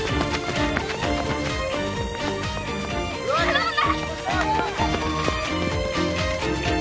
頼んだ！